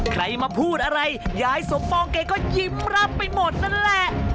ใครมาพูดอะไรยายสมปองแกก็ยิ้มรับไปหมดนั่นแหละ